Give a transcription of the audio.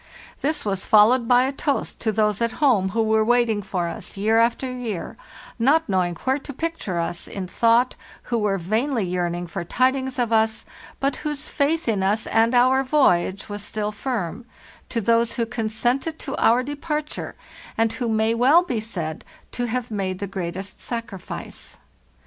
This was followed by a toast to those at home who were waiting for us year after year, not knowing where to picture us in thought, who were vainly yearning for tidings of us, but whose faith in us and our voyage was still firm— to those who consented to our departure, and who may well be said to have made the greatest sacrifice.